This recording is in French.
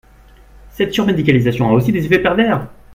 Cette surmédicalisation a aussi des effets pervers.